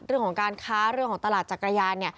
เรื่องของการค้าเรื่องของตลาดจักรยานเนี่ย